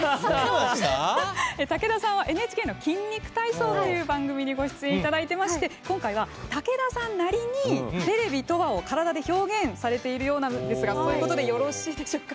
武田さんはＮＨＫの「筋肉体操」という番組にご出演いただいていまして今回は武田さんなりに「テレビとは」を体で表現されてるそういうことでよろしいでしょうか？